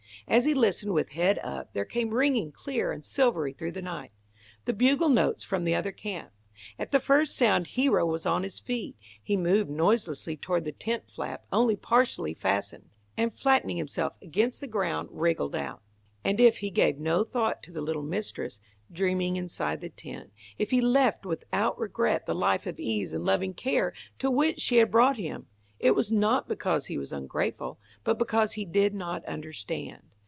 As he listened with head up, there came ringing, clear and silvery through the night, the bugle notes from the other camp. At the first sound Hero was on his feet. He moved noiselessly toward the tent flap, only partially fastened, and flattening himself against the ground wriggled out. And if he gave no thought to the little mistress, dreaming inside the tent, if he left without regret the life of ease and loving care to which she had brought him, it was not because he was ungrateful, but because he did not understand.